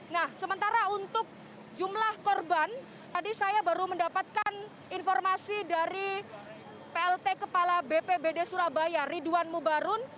nah sementara untuk jumlah korban tadi saya baru mendapatkan informasi dari plt kepala bpbd surabaya ridwan mubarun